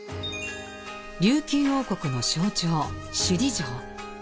琉球王国の象徴首里城。